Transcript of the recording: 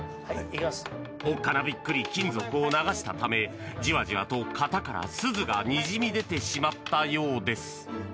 おっかなびっくり金属を流したためジワジワと、型からすずがにじみ出てしまったようです。